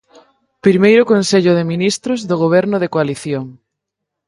Primeiro Consello de Ministros do Goberno de coalición.